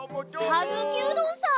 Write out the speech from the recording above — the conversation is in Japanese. さぬきうどんさん？